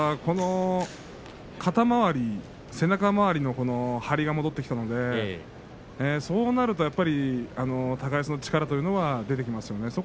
肩回り、背中回りの張りが戻ってきたのでそうなると、高安の力というのは出てきますよね。